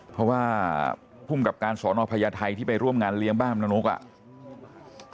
เพราะว่าภูมิกับการสอนอพญาไทยที่ไปร่วมงานเลี้ยงบ้านนกอ่ะ